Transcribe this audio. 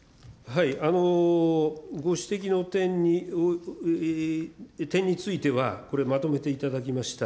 ご指摘の点については、これまとめていただきました。